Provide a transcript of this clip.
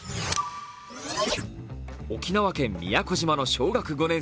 沖縄県宮古島の小学５年